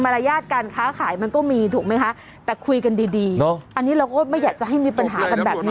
รยาทการค้าขายมันก็มีถูกไหมคะแต่คุยกันดีดีอันนี้เราก็ไม่อยากจะให้มีปัญหากันแบบนี้